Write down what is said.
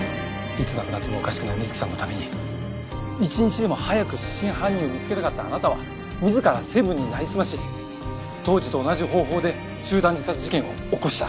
いつ亡くなってもおかしくない水樹さんのために一日でも早く真犯人を見つけたかったあなたは自らセブンになりすまし当時と同じ方法で集団自殺事件を起こした。